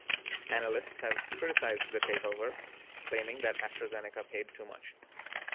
Analysts have criticised the take-over, claiming that AstraZeneca paid too much.